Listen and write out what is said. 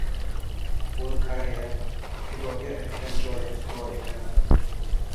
Buni qara-ya, Xudoga aytgan joyimiz bor ekan-a?